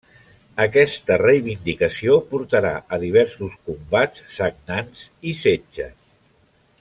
Aquesta reivindicació portarà a diversos combats sagnants i setges.